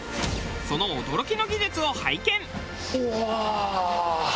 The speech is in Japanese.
その驚きの技術を拝見。